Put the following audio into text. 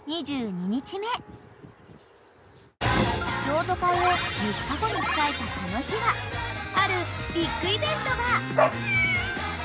［譲渡会を３日後に控えたこの日はあるビッグイベントが］